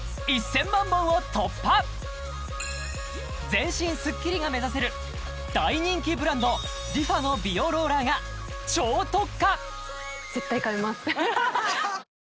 全身スッキリが目指せる大人気ブランドＲｅＦａの美容ローラーが超特価